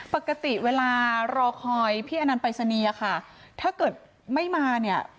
ปกติเวลารอคอยพี่อนันตรายศนียค่ะถ้าเกิดไม่มาเนี่ย